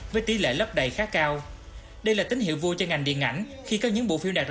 với tỷ lệ lấp đầy khá cao đây là tín hiệu vui cho ngành điện ảnh khi có những bộ phim đạt